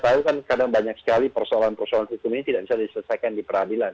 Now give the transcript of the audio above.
saya tahu kan kadang banyak sekali persoalan persoalan hukum ini tidak bisa diselesaikan di peradilan